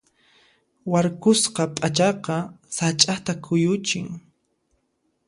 Warkusqa p'achaqa sach'ata kuyuchin.